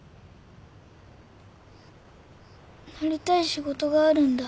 なりたい仕事があるんだ。